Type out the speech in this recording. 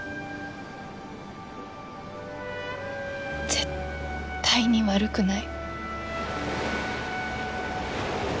絶対に悪くない。